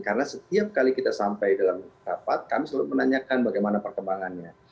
karena setiap kali kita sampai dalam rapat kami selalu menanyakan bagaimana perkembangannya